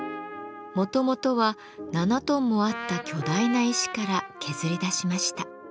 もともとは７トンもあった巨大な石から削り出しました。